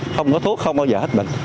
không có thuốc không bao giờ hết bệnh